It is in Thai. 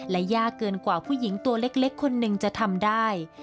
และยากเกินกว่าผู้หญิงตัวเล็กคนหนึ่งจะทำได้